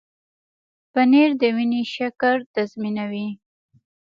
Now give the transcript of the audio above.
پنېر د وینې شکر تنظیموي.